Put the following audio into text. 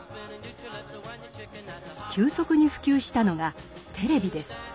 急速に普及したのがテレビです。